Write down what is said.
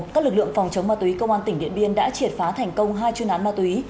các lực lượng phòng chống ma túy công an tỉnh điện biên đã triệt phá thành công hai chuyên án ma túy